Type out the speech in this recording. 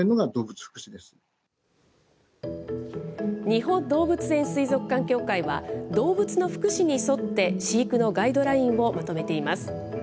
日本動物園水族館協会は、動物の福祉に沿って飼育のガイドラインをまとめています。